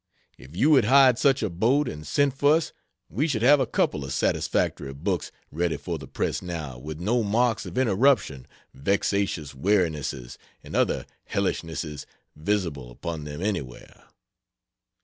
If you had hired such a boat and sent for us we should have a couple of satisfactory books ready for the press now with no marks of interruption, vexatious wearinesses, and other hellishnesses visible upon them anywhere.